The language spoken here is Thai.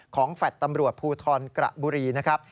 ของแฟทตำรวจภูทรกระบุรีนะครับ